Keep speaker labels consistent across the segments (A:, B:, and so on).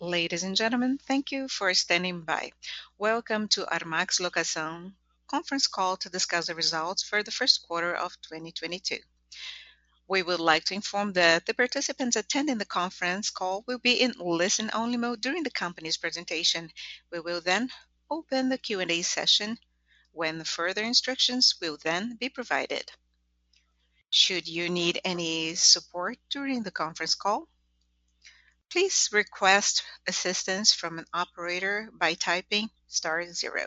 A: Ladies and gentlemen, thank you for standing by. Welcome to Armac Locação conference call to discuss the results for the first quarter of 2022. We would like to inform that the participants attending the conference call will be in listen-only mode during the company's presentation. We will then open the Q&A session when further instructions will then be provided. Should you need any support during the conference call, please request assistance from an operator by typing star zero.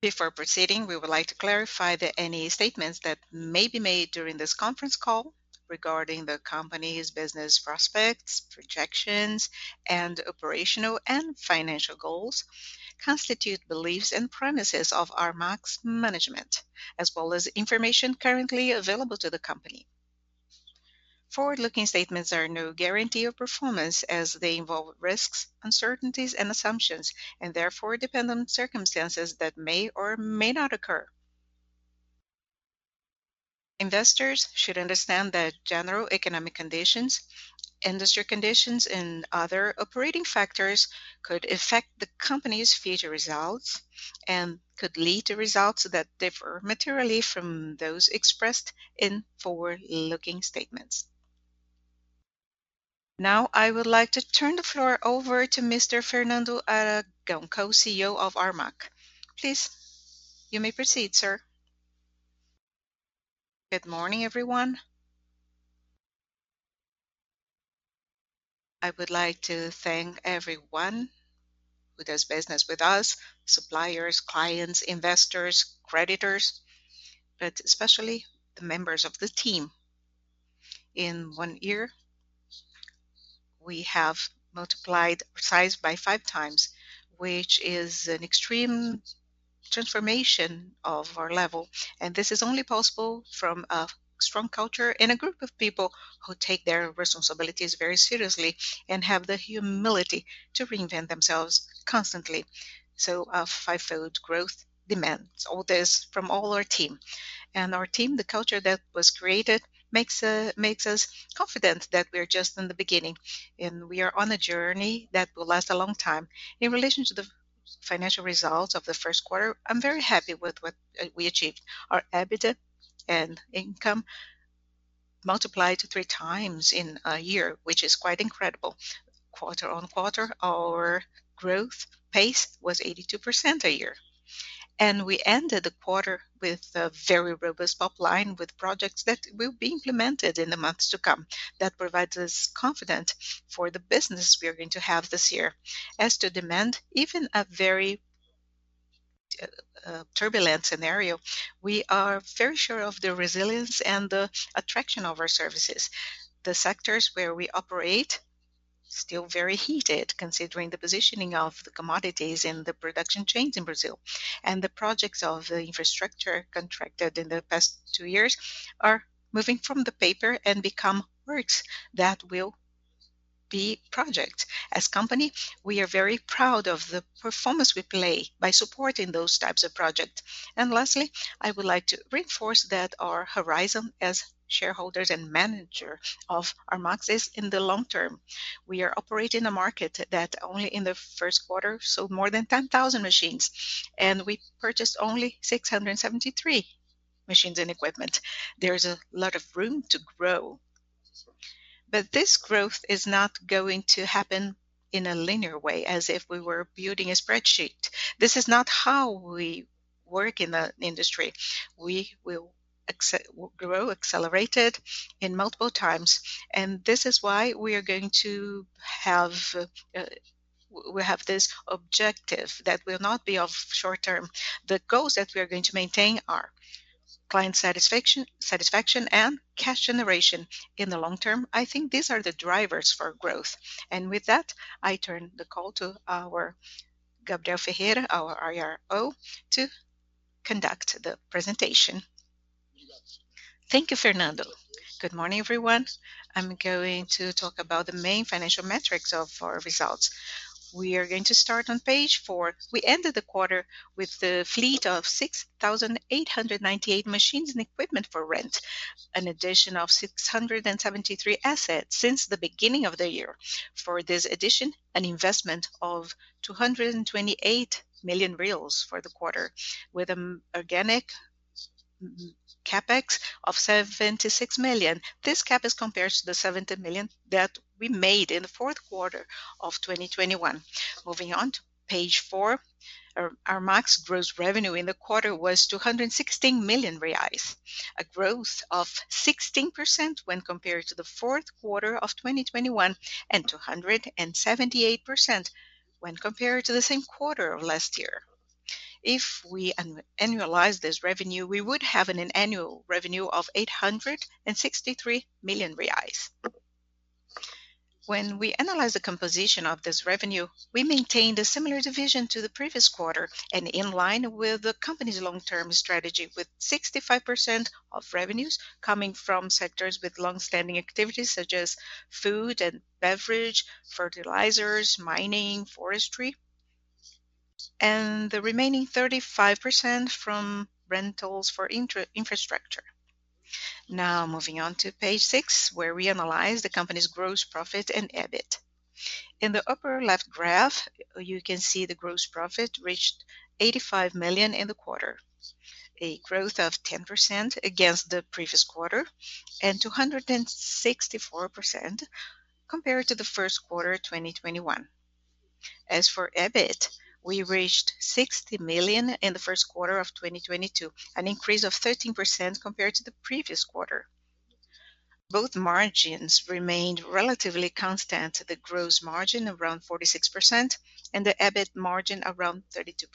A: Before proceeding, we would like to clarify that any statements that may be made during this conference call regarding the company's business prospects, projections, and operational and financial goals constitute beliefs and premises of Armac's management, as well as information currently available to the company. Forward-looking statements are no guarantee of performance as they involve risks, uncertainties and assumptions, and therefore depend on circumstances that may or may not occur. Investors should understand that general economic conditions, industry conditions, and other operating factors could affect the company's future results and could lead to results that differ materially from those expressed in forward-looking statements. Now I would like to turn the floor over to Mr. Fernando Aragão, CEO of Armac. Please. You may proceed, sir.
B: Good morning, everyone. I would like to thank everyone who does business with us, suppliers, clients, investors, creditors, but especially the members of the team. In one year, we have multiplied size by five times, which is an extreme transformation of our level, and this is only possible from a strong culture and a group of people who take their responsibilities very seriously and have the humility to reinvent themselves constantly. A fivefold growth demands all this from all our team. Our team, the culture that was created makes us confident that we're just in the beginning, and we are on a journey that will last a long time. In relation to the financial results of the first quarter, I'm very happy with what we achieved. Our EBITDA and income multiplied to three times in a year, which is quite incredible. Quarter-on-quarter, our growth pace was 82% a year. We ended the quarter with a very robust pipeline with projects that will be implemented in the months to come. That provides us confident for the business we are going to have this year. As to demand, even a very turbulent scenario, we are very sure of the resilience and the attraction of our services. The sectors where we operate, still very heated considering the positioning of the commodities in the production chains in Brazil. The projects of the infrastructure contracted in the past two years are moving from paper to become works that will be projects. As a company, we are very proud of the role we play by supporting those types of projects. Lastly, I would like to reinforce that our horizon as shareholders and manager of Armac is in the long term. We are operating a market that only in the first quarter sold more than 10,000 machines, and we purchased only 673 machines and equipment. There is a lot of room to grow. This growth is not going to happen in a linear way, as if we were building a spreadsheet. This is not how we work in the industry. We will accelerate growth multiple times, and this is why we have this objective that will not be of short term. The goals that we are going to maintain are client satisfaction and cash generation in the long term. I think these are the drivers for growth. With that, I turn the call to our Gabriel Lopes Ferreira, our IRO, to conduct the presentation.
C: Thank you, Fernando Aragão. Good morning, everyone. I'm going to talk about the main financial metrics of our results. We are going to start on page four. We ended the quarter with a fleet of 6,898 machines and equipment for rent, an addition of 673 assets since the beginning of the year. For this acquisition, an investment of 228 million reais for the quarter with an organic CapEx of 76 million. This CapEx compares to the 70 million that we made in the fourth quarter of 2021. Moving on to page four. Armac's gross revenue in the quarter was 216 million reais, a growth of 16% when compared to the fourth quarter of 2021, and 278% when compared to the same quarter of last year. If we annualize this revenue, we would have an annual revenue of 863 million reais. When we analyze the composition of this revenue, we maintained a similar division to the previous quarter and in line with the company's long-term strategy, with 65% of revenues coming from sectors with long-standing activities such as food and beverage, fertilizers, mining, forestry. The remaining 35% from rentals for infrastructure. Now moving on to page six, where we analyze the company's gross profit and EBIT. In the upper left graph, you can see the gross profit reached 85 million in the quarter, a growth of 10% against the previous quarter and 264% compared to the first quarter of 2021. As for EBIT, we reached 60 million in the first quarter of 2022, an increase of 13% compared to the previous quarter. Both margins remained relatively constant, the gross margin around 46% and the EBIT margin around 32%.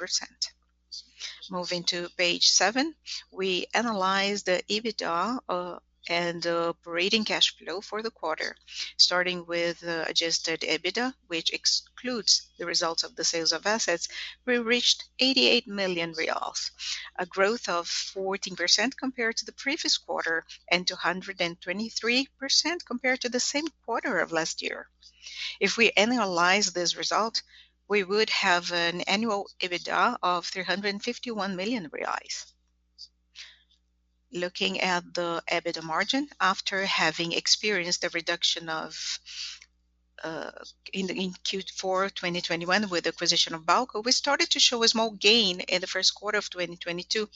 C: Moving to page seven, we analyze the EBITDA and the operating cash flow for the quarter. Starting with the adjusted EBITDA, which excludes the results of the sales of assets, we reached 88 million reais, a growth of 14% compared to the previous quarter and 223% compared to the same quarter of last year. If we analyze this result, we would have an annual EBITDA of 351 million reais. Looking at the EBITDA margin after having experienced a reduction in Q4 2021 with the acquisition of Bauko, we started to show a small gain in the first quarter of 2022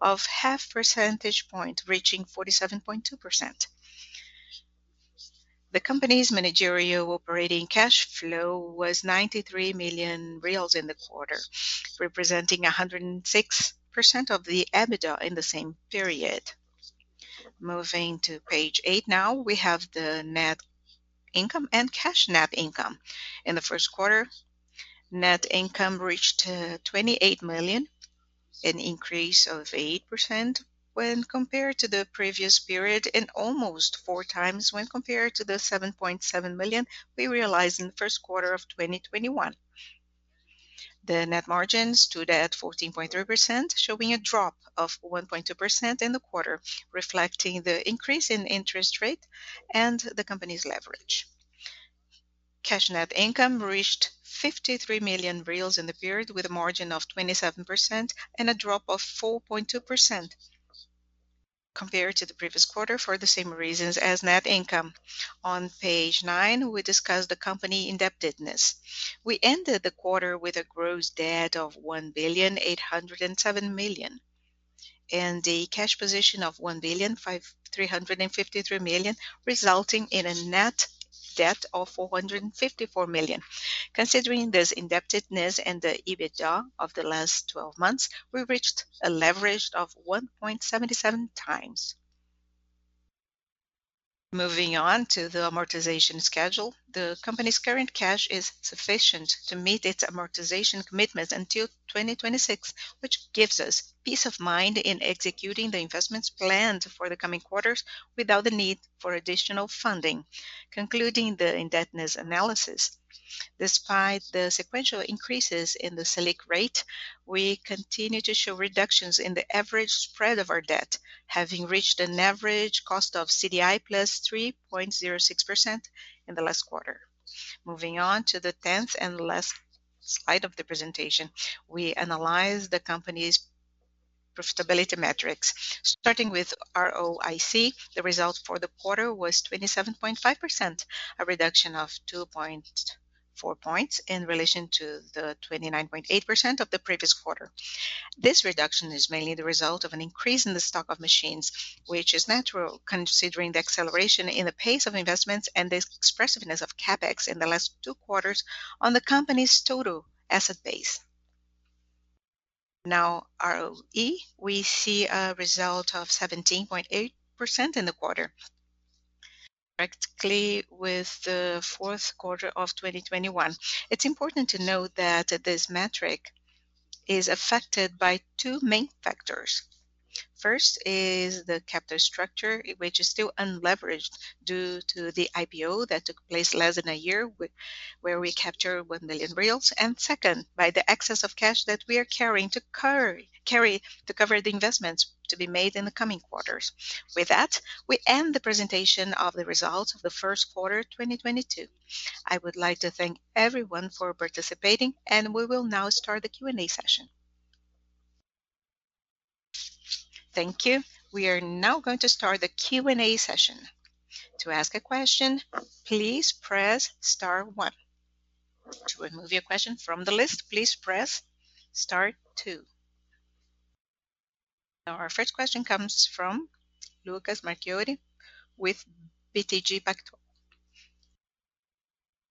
C: of half percentage point, reaching 47.2%. The company's managerial operating cash flow was 93 million reais in the quarter, representing 106% of the EBITDA in the same period. Moving to page eight now, we have the net income and cash net income. In the first quarter, net income reached 28 million, an increase of 8% when compared to the previous period and almost four times when compared to the 7.7 million we realized in the first quarter of 2021. The net margin stood at 14.3%, showing a drop of 1.2% in the quarter, reflecting the increase in interest rate and the company's leverage. Cash net income reached 53 million reais in the period, with a margin of 27% and a drop of 4.2% compared to the previous quarter for the same reasons as net income. On page nine, we discuss the company indebtedness. We ended the quarter with a gross debt of 1.807 billion, and a cash position of 1.353 billion, resulting in a net debt of 454 million. Considering this indebtedness and the EBITDA of the last twelve months, we reached a leverage of 1.77x. Moving on to the amortization schedule. The company's current cash is sufficient to meet its amortization commitments until 2026, which gives us peace of mind in executing the investments planned for the coming quarters without the need for additional funding. Concluding the indebtedness analysis. Despite the sequential increases in the Selic rate, we continue to show reductions in the average spread of our debt, having reached an average cost of CDI + 3.06% in the last quarter. Moving on to the tenth and last slide of the presentation, we analyze the company's profitability metrics. Starting with ROIC, the result for the quarter was 27.5%, a reduction of 2.4 points in relation to the 29.8% of the previous quarter. This reduction is mainly the result of an increase in the stock of machines, which is natural considering the acceleration in the pace of investments and the expressiveness of CapEx in the last two quarters on the company's total asset base. Now ROE, we see a result of 17.8% in the quarter, practically with the fourth quarter of 2021. It's important to note that this metric is affected by two main factors. First is the capital structure, which is still unleveraged due to the IPO that took place less than a year where we captured 1 million. Second, by the excess of cash that we are carrying to carry to cover the investments to be made in the coming quarters. With that, we end the presentation of the results of the first quarter 2022. I would like to thank everyone for participating, and we will now start the Q&A session.
A: Thank you. We are now going to start the Q&A session. To ask a question, please press star one. To remove your question from the list, please press star two. Our first question comes from Lucas Marquiori with BTG Pactual.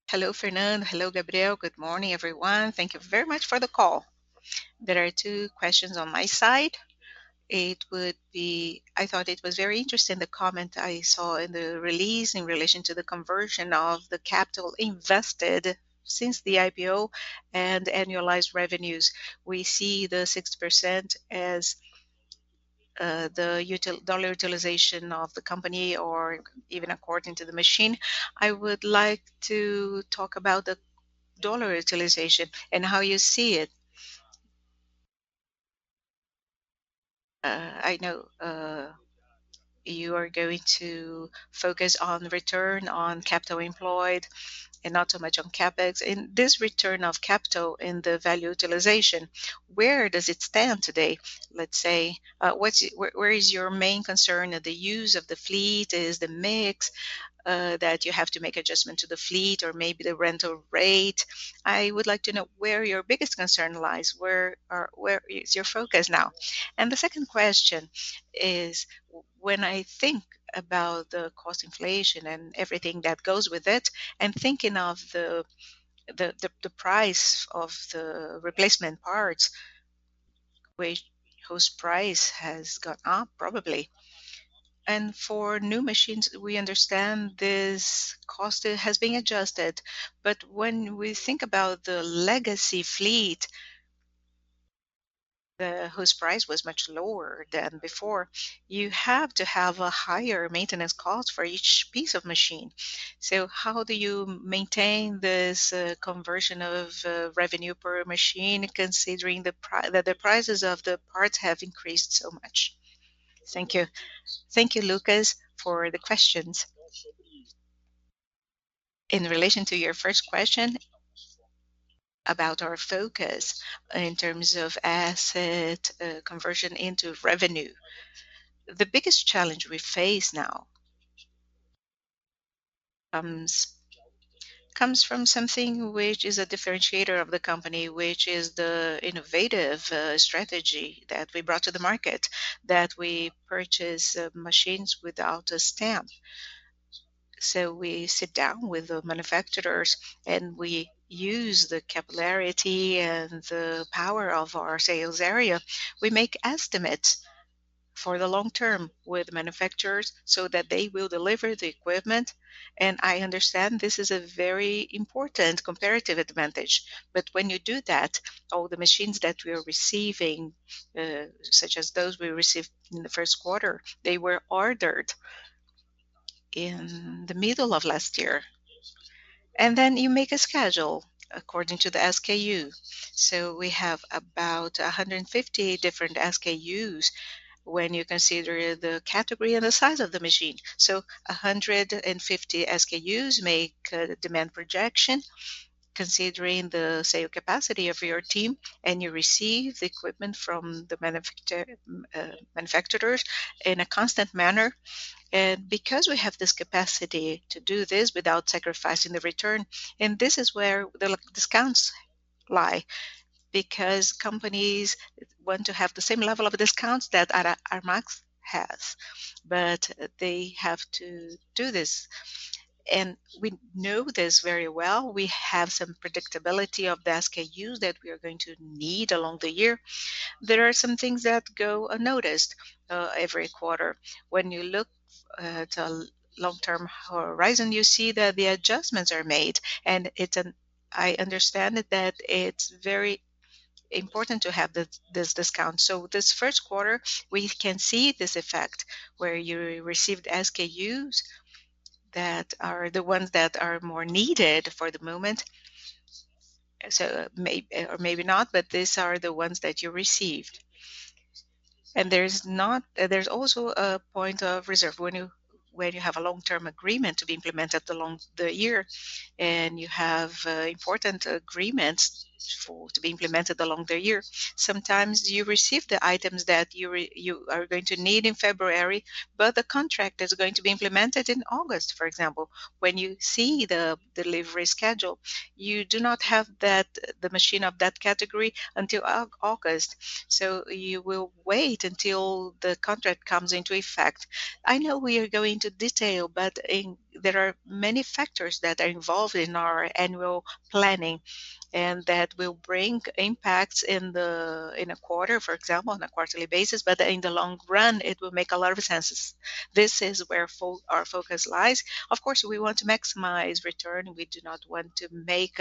D: Hello, Fernando. Hello, Gabriel. Good morning, everyone. Thank you very much for the call. There are two questions on my side. I thought it was very interesting, the comment I saw in the release in relation to the conversion of the capital invested since the IPO and annualized revenues. We see the 6% as the dollar utilization of the company or even according to the machine. I would like to talk about the dollar utilization and how you see it. I know you are going to focus on return on capital employed and not so much on CapEx. In this return of capital in the value utilization, where does it stand today, let's say? Where is your main concern? At the use of the fleet? Is the mix that you have to make adjustment to the fleet or maybe the rental rate? I would like to know where your biggest concern lies. Where is your focus now? The second question is, when I think about the cost inflation and everything that goes with it, and thinking of the price of the replacement parts, whose price has gone up probably. For new machines, we understand this cost has been adjusted. When we think about the legacy fleet, whose price was much lower than before, you have to have a higher maintenance cost for each piece of machine. How do you maintain this conversion of revenue per machine, considering that the prices of the parts have increased so much? Thank you.
B: Thank you, Lucas, for the questions. In relation to your first question about our focus in terms of asset conversion into revenue, the biggest challenge we face now comes from something which is a differentiator of the company, which is the innovative strategy that we brought to the market, that we purchase machines without a stamp. We sit down with the manufacturers, and we use the capillarity and the power of our sales area. We make estimates for the long term with manufacturers so that they will deliver the equipment. I understand this is a very important comparative advantage. When you do that, all the machines that we are receiving, such as those we received in the first quarter, they were ordered in the middle of last year. You make a schedule according to the SKU. We have about 150 different SKUs when you consider the category and the size of the machine. 150 SKUs make a demand projection considering the sale capacity of your team, and you receive the equipment from the manufacturers in a constant manner. Because we have this capacity to do this without sacrificing the return, and this is where the discounts lie. Companies want to have the same level of discounts that Armac has. They have to do this. We know this very well. We have some predictability of the SKUs that we are going to need along the year. There are some things that go unnoticed every quarter. When you look to long-term horizon, you see that the adjustments are made. I understand that it's very important to have this discount. This first quarter we can see this effect where you received SKUs that are the ones that are more needed for the moment. Or maybe not, but these are the ones that you received. There's also a point of reserve where you have a long-term agreement to be implemented along the year, and you have important agreements to be implemented along the year. Sometimes you receive the items that you are going to need in February, but the contract is going to be implemented in August, for example. When you see the delivery schedule, you do not have the machine of that category until August. You will wait until the contract comes into effect. I know we are going into detail, but there are many factors that are involved in our annual planning and that will bring impacts in a quarter, for example, on a quarterly basis. In the long run, it will make a lot of sense. This is where our focus lies. Of course, we want to maximize return. We do not want to make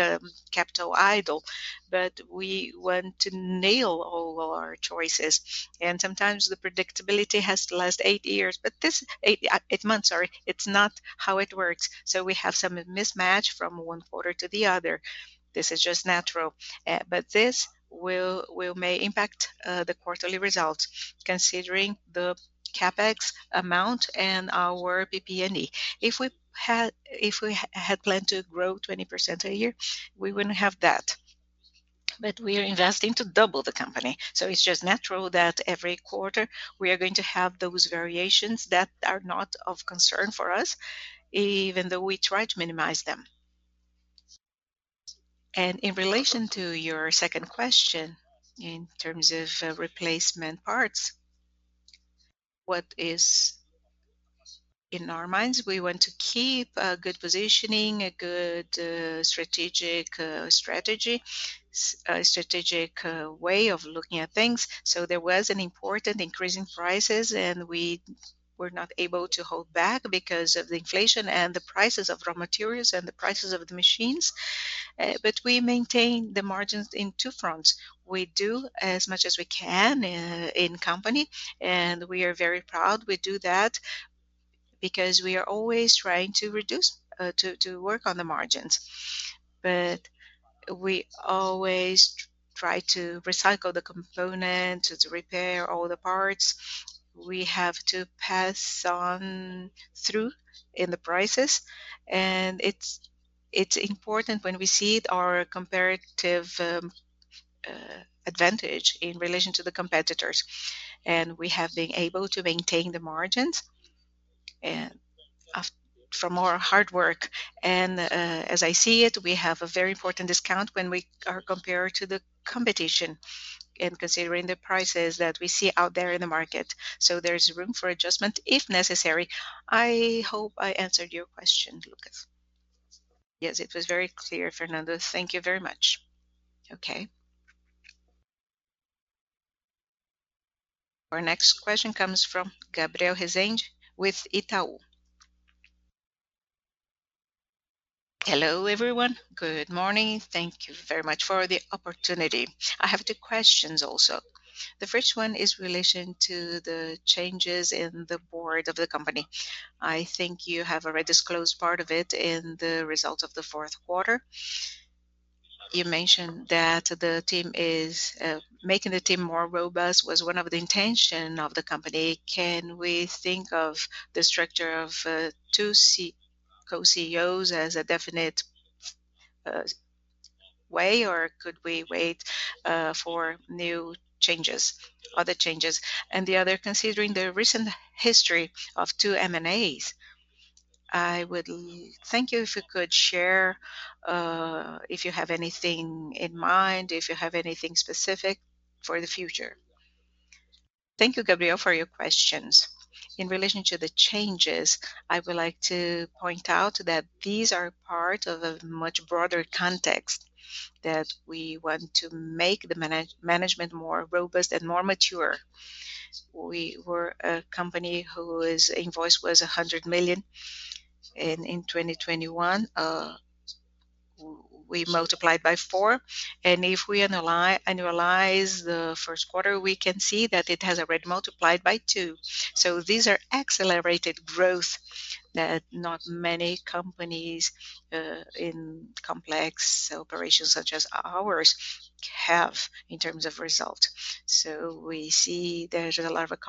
B: capital idle. We want to nail all our choices. Sometimes the predictability has to last eight years. This eight months, sorry, it's not how it works. We have some mismatch from one quarter to the other. This is just natural. This may impact the quarterly results considering the CapEx amount and our PP&E. If we had planned to grow 20% a year, we wouldn't have that. We are investing to double the company. It's just natural that every quarter we are going to have those variations that are not of concern for us, even though we try to minimize them. In relation to your second question in terms of replacement parts, what is in our minds, we want to keep a good positioning, a good strategic way of looking at things. There was an important increase in prices, and we were not able to hold back because of the inflation and the prices of raw materials and the prices of the machines. We maintain the margins in two fronts. We do as much as we can in company, and we are very proud we do that. Because we are always trying to work on the margins. We always try to recycle the components, to repair all the parts we have to pass on through in the prices. It's important when we see our comparative advantage in relation to the competitors. We have been able to maintain the margins and from our hard work. As I see it, we have a very important discount when we are compared to the competition in considering the prices that we see out there in the market. There's room for adjustment if necessary. I hope I answered your question, Lucas.
D: Yes. It was very clear, Fernando. Thank you very much.
B: Okay.
A: Our next question comes from Gabriel Rezende with Itaú.
E: Hello, everyone. Good morning. Thank you very much for the opportunity. I have two questions also. The first one is in relation to the changes in the board of the company. I think you have already disclosed part of it in the results of the fourth quarter. You mentioned that making the team more robust was one of the intention of the company. Can we think of the structure of two co-CEOs as a definite way, or could we wait for new changes, other changes? The other, considering the recent history of two M&As, I would thank you if you could share if you have anything in mind, if you have anything specific for the future.
B: Thank you, Gabriel, for your questions. In relation to the changes, I would like to point out that these are part of a much broader context that we want to make the management more robust and more mature. We were a company whose invoice was 100 million in 2021. We multiplied by four. If we analyze the first quarter, we can see that it has already multiplied by two. These are accelerated growth that not many companies in complex operations such as ours have in terms of result. We see there's a lot of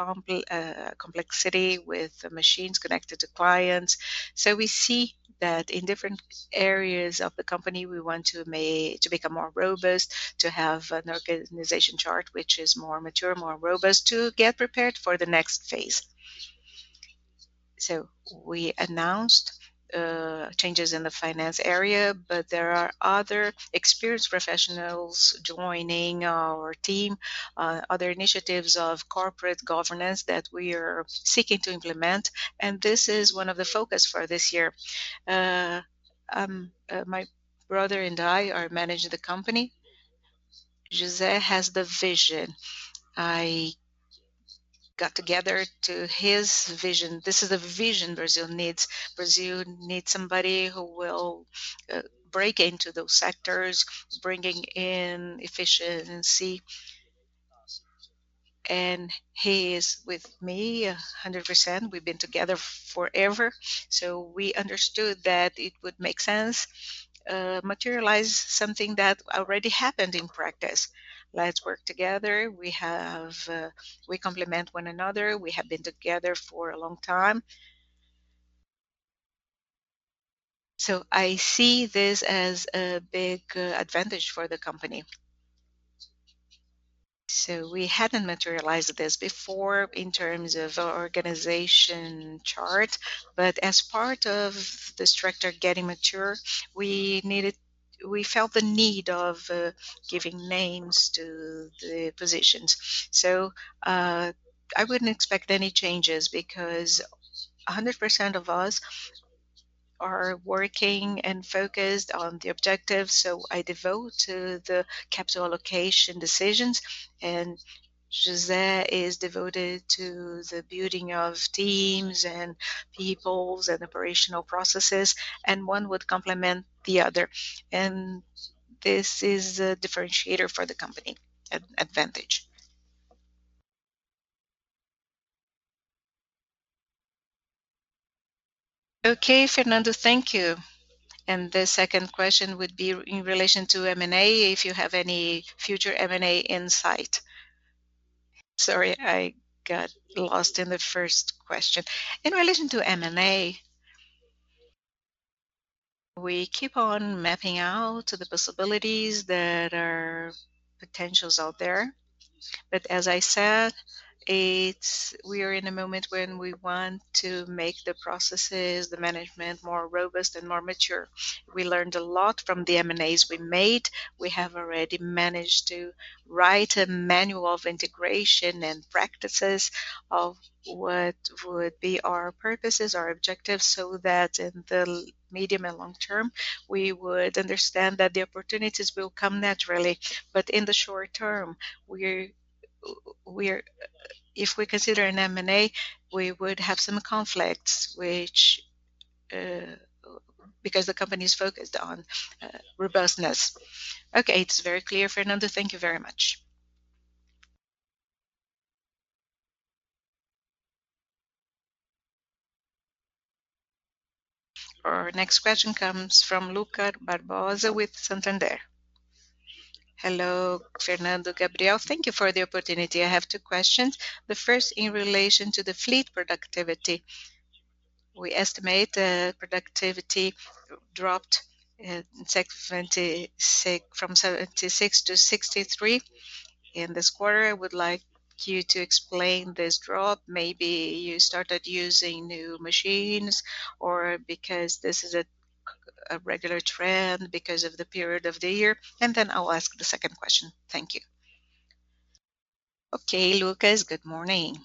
B: complexity with machines connected to clients. We see that in different areas of the company, we want to become more robust, to have an organization chart which is more mature, more robust, to get prepared for the next phase. We announced changes in the finance area, but there are other experienced professionals joining our team, other initiatives of corporate governance that we are seeking to implement, and this is one of the focus for this year. My brother and I are managing the company. José has the vision. I bought into his vision. This is the vision Brazil needs. Brazil needs somebody who will break into those sectors, bringing in efficiency. He is with me 100%. We've been together forever, so we understood that it would make sense to materialize something that already happened in practice. Let's work together. We complement one another. We have been together for a long time. I see this as a big advantage for the company. We hadn't materialized this before in terms of organization chart, but as part of the structure getting mature, we felt the need of giving names to the positions. I wouldn't expect any changes because 100% of us are working and focused on the objectives. I devote to the capital allocation decisions, and José is devoted to the building of teams and people and operational processes, and one would complement the other. This is a differentiator for the company advantage.
E: Okay, Fernando, thank you. The second question would be in relation to M&A, if you have any future M&A insight.
B: Sorry, I got lost in the first question. In relation to M&A, we keep on mapping out the possibilities that are potential out there. As I said, it's we are in a moment when we want to make the processes, the management more robust and more mature. We learned a lot from the M&As we made. We have already managed to write a manual of integration and practices of what would be our purposes, our objectives, so that in the medium and long term, we would understand that the opportunities will come naturally. In the short term, we're if we consider an M&A, we would have some conflicts, which, because the company is focused on robustness.
E: Okay. It's very clear, Fernando. Thank you very much.
A: Our next question comes from Lucas Barbosa with Santander.
F: Hello, Fernando, Gabriel. Thank you for the opportunity. I have two questions. The first in relation to the fleet productivity. We estimate the productivity dropped from 76 to 63 in this quarter. I would like you to explain this drop. Maybe you started using new machines or because this is a regular trend because of the period of the year, and then I'll ask the second question. Thank you.
B: Okay, Lucas. Good morning.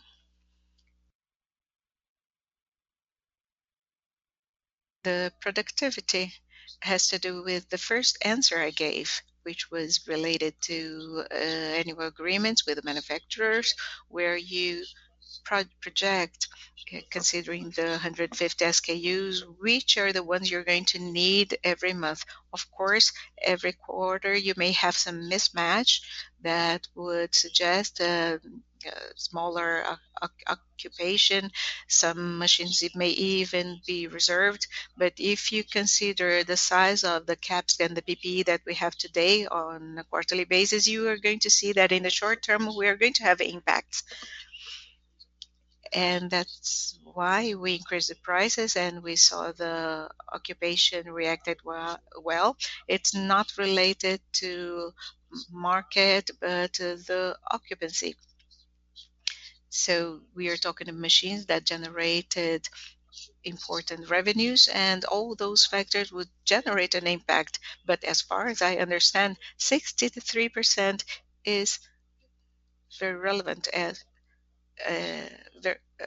B: The productivity has to do with the first answer I gave, which was related to annual agreements with the manufacturers, where you project, considering the 150 SKUs, which are the ones you're going to need every month. Of course, every quarter you may have some mismatch that would suggest a smaller occupation. Some machines, it may even be reserved. But if you consider the size of the CapEx and the PPE that we have today on a quarterly basis, you are going to see that in the short term, we are going to have impacts. That's why we increased the prices, and we saw the occupation reacted well. It's not related to market, but the occupancy. We are talking machines that generated important revenues, and all those factors would generate an impact. As far as I understand, 63% is very relevant.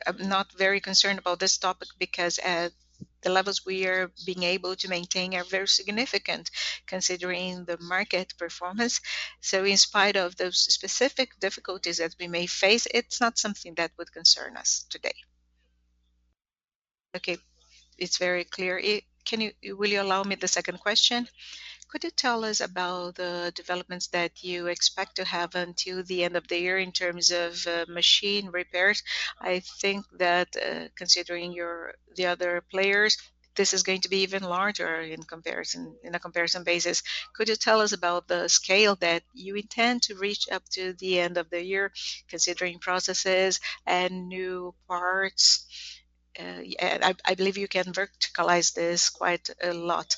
B: I'm not very concerned about this topic because the levels we are being able to maintain are very significant considering the market performance. In spite of those specific difficulties that we may face, it's not something that would concern us today.
F: Okay. It's very clear. Will you allow me the second question? Could you tell us about the developments that you expect to have until the end of the year in terms of machine repairs? I think that considering the other players, this is going to be even larger in a comparison basis. Could you tell us about the scale that you intend to reach up to the end of the year, considering processes and new parts?
B: Yeah, I believe you can verticalize this quite a lot.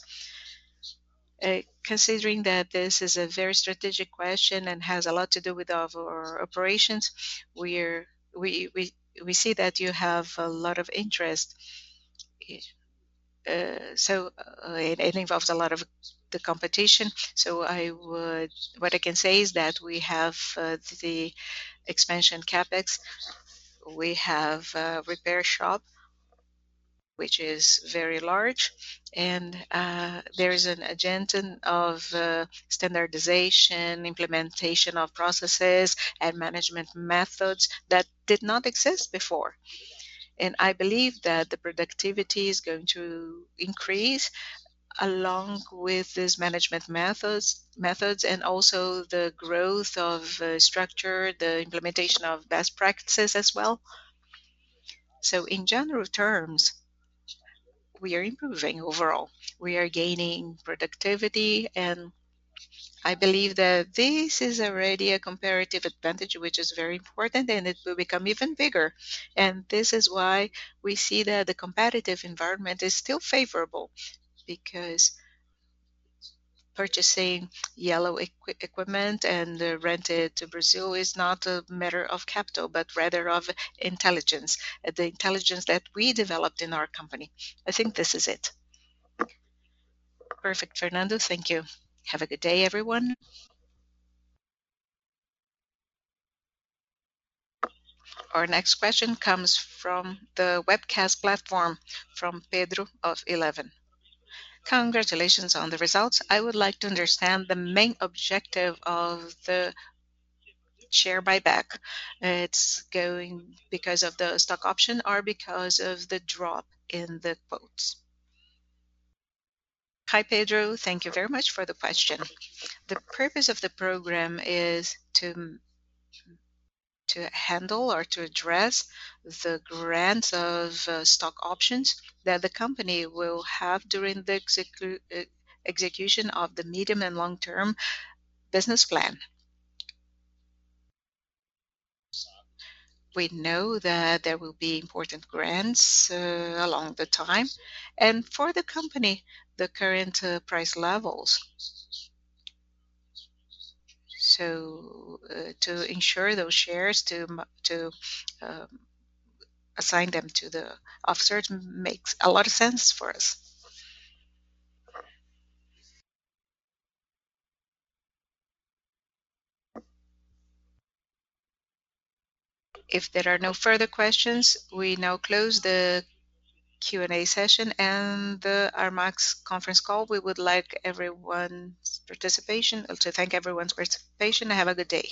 B: Considering that this is a very strategic question and has a lot to do with our operations, we see that you have a lot of interest. So it involves a lot of the competition. What I can say is that we have the expansion CapEx. We have a repair shop which is very large, and there is an agenda of standardization, implementation of processes and management methods that did not exist before. I believe that the productivity is going to increase along with these management methods and also the growth of structure, the implementation of best practices as well. In general terms, we are improving overall. We are gaining productivity, and I believe that this is already a comparative advantage which is very important, and it will become even bigger. This is why we see that the competitive environment is still favorable because purchasing yellow equipment and rent it to Brazil is not a matter of capital, but rather of intelligence, the intelligence that we developed in our company. I think this is it.
F: Perfect, Fernando. Thank you. Have a good day, everyone.
A: Our next question comes from the webcast platform from Pedro of Eleven.
G: Congratulations on the results. I would like to understand the main objective of the share buyback. It's going because of the stock option or because of the drop in the quotes.
B: Hi, Pedro. Thank you very much for the question. The purpose of the program is to handle or to address the grants of stock options that the company will have during the execution of the medium and long-term business plan. We know that there will be important grants along the timeline and for the company, the current price levels. To ensure those shares to assign them to the officers makes a lot of sense for us. If there are no further questions, we now close the Q&A session and the Armac conference call. We would like to thank everyone's participation and have a good day.